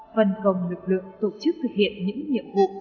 vân cầm lực lượng tổ chức thực hiện những nhiệm vụ